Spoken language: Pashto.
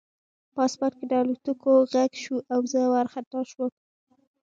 په آسمان کې د الوتکو غږ شو او زه وارخطا شوم